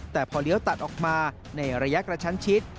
แต่พอเลี้ยวตัดออกมาในระยะกระชั้นชิด